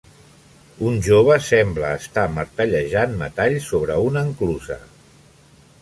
Un jove sembla estar martellejant metall sobre una enclusa.